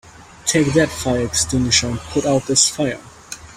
Take that fire extinguisher and put out the fire!